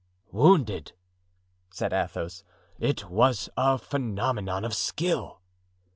"Wounded!" said Athos; "it was a phenomenon of skill."